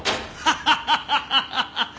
ハハハハ！